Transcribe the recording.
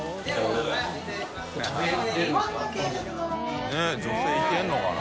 佑女性いけるのかな？